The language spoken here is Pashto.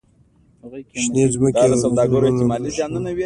شینې ځمکې او زړونه په روښانه شي.